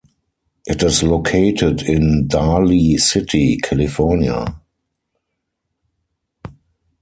It is located in Daly City, California.